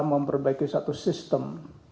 memperbaiki satu sistem